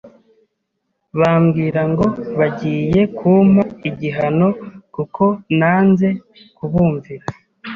bambwira ngo bagiye kumpa igihano kuko nanze kubumvira